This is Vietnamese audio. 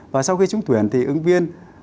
và sau khi trúng tuyển thì ứng viên